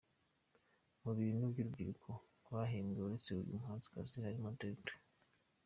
Mu bantu b'urubyiruko bahembwe, uretse uyu muhanzikazi harimo Dr.